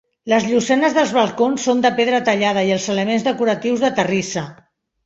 Les llosanes dels balcons són de pedra tallada i els elements decoratius de terrissa.